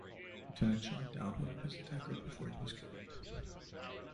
Lieutenant Shaw downed one of his attackers before he was killed.